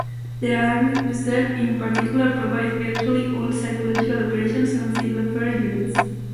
The Army Reserve in particular provides virtually all psychological operations and civil affairs units.